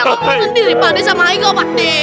ngomong sendiri pak deh sama ayah pak deh